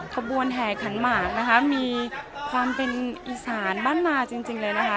ขบวนแห่ขันหมากนะคะมีความเป็นอีสานบ้านนาจริงเลยนะคะ